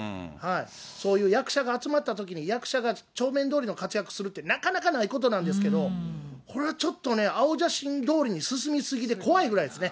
そういう役者が集まったときに、役者が帳面どおりの活躍するって、なかなかないことなんですけれども、これちょっとね、青写真どおりに進み過ぎて怖いぐらいですね。